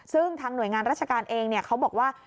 ซึ่งทางหน่วยงานราชการเองเขาบอกว่า